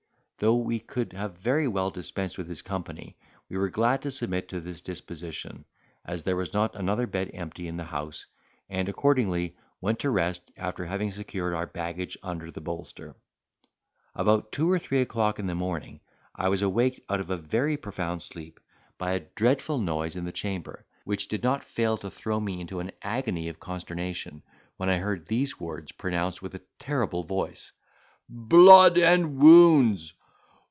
Though we could have very well dispensed with his company, we were glad to submit to this disposition, as there was not another bed empty in the house; and accordingly went to rest, after having secured our baggage under the bolster. About two or three o'clock in the morning I was awaked out of a very profound sleep by a dreadful noise in the chamber, which did not fail to throw me into an agony of consternation, when I heard these words pronounced with a terrible voice: "Blood and wounds!